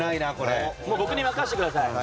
僕に任せてください。